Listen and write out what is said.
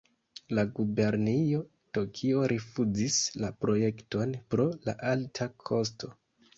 La gubernio Tokio rifuzis la projekton pro la alta kosto.